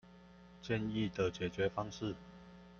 建議的解決方式